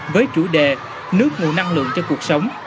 với chủ đề nước nguồn năng lượng cho cuộc sống